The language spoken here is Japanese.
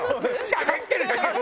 しゃべってるだけ。